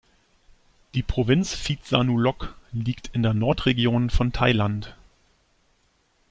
Die Provinz Phitsanulok liegt in der Nordregion von Thailand.